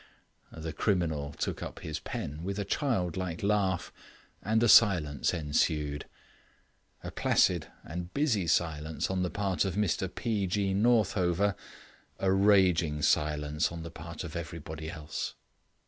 The criminal took up his pen with a childlike laugh, and a silence ensued; a placid and busy silence on the part of Mr P. G. Northover; a raging silence on the part of everybody else.